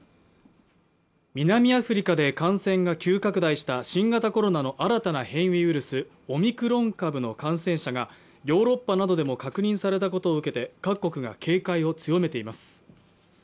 南アフリカで感染が急拡大した新型コロナの新たな変異ウイルスオミクロン株の感染者がヨーロッパなどでも確認されたことを受けて、各国が警戒を強めています。